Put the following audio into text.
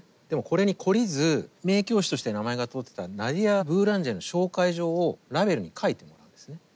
でもこれに懲りず名教師として名前が通ってたナディア・ブーランジェの紹介状をラヴェルに書いてもらうんですね。